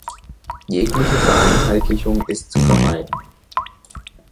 Jegliche Vereinheitlichung ist zu vermeiden.